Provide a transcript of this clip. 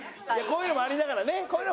こういうのもありながらよ。